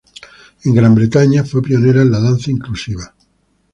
En Gran Bretaña, fue pionera en la danza inclusiva.